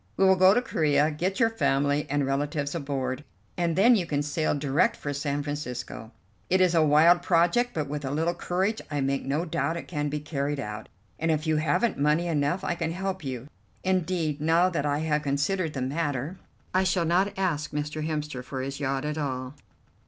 We will go to Corea, get your family and relatives aboard, and then you can sail direct for San Francisco. It is a wild project, but with a little courage I make no doubt it can be carried out, and if you haven't money enough I can help you. Indeed, now that I have considered the matter, I shall not ask Mr. Hemster for his yacht at all.